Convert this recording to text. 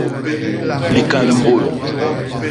Likand mbôl.